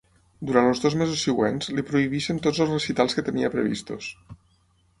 Durant els dos mesos següents, li prohibeixen tots els recitals que tenia prevists.